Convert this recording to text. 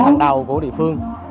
hàng đầu của địa phương